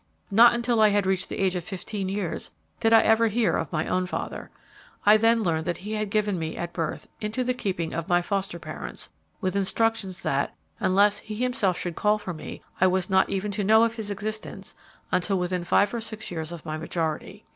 Not until I had reached the age of fifteen years did I ever hear of my own father. I then learned that he had given me, at birth, into the keeping of my foster parents, with instructions that, unless he himself should call for me, I was not even to know of his existence until within five or six years of my majority.